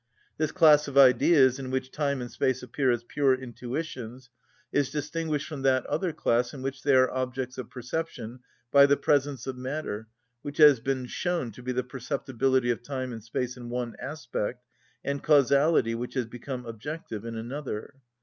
This class of ideas, in which time and space appear as pure intuitions, is distinguished from that other class in which they are objects of perception by the presence of matter which has been shown to be the perceptibility of time and space in one aspect, and causality which has become objective, in another.